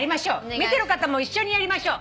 見てる方も一緒にやりましょう。